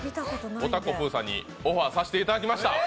おたこぷーさんにオファーさせていただきました。